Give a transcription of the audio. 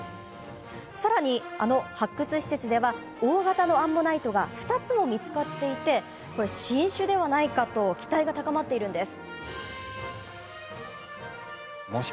さらに、あの発掘施設では大型のアンモナイトが２つも見つかっていて新種ではないかと期待が高まっているんです。